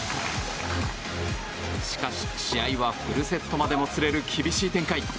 しかし、試合はフルセットまでもつれる厳しい展開。